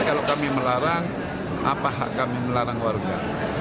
kalau kami melarang apa hak kami melarang warga